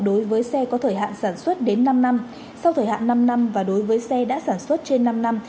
đối với xe có thời hạn sản xuất đến năm năm sau thời hạn năm năm và đối với xe đã sản xuất trên năm năm